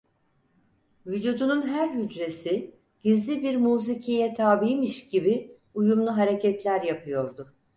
Vücudunun her hücresi gizli bir mûsikîye tâbiymiş gibi uyumlu hareketler yapıyordu.